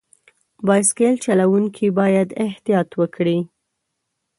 بایسکل چلوونکي باید احتیاط وکړي.